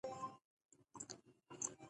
لوستل او لیکل مو ذهن پراخوي، اوذهین مو جوړوي.